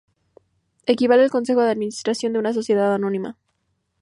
Equivale al Consejo de administración de una sociedad anónima.